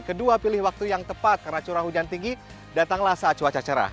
kedua pilih waktu yang tepat karena curah hujan tinggi datanglah saat cuaca cerah